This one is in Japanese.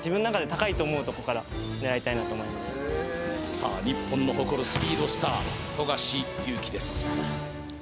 さあ日本の誇るスピードスター富樫勇樹です